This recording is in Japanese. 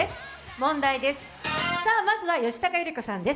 問題です、まずは吉高由里子さんです。